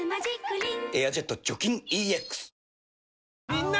みんな！